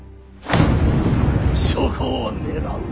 そこを狙う！